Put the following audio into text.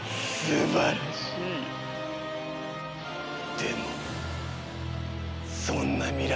でもそんな未来